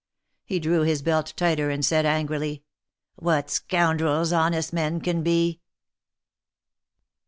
He drew his belt tighter and said, angrily; What scoundrels honest men can be!